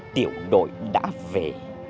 tiểu đội đã về